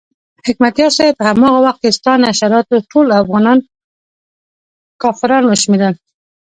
حکمتیار صاحب په هماغه وخت کې ستا نشراتو ټول افغانان کافران وشمېرل.